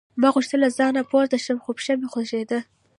ما غوښتل له ځایه پورته شم خو پښه مې خوږېده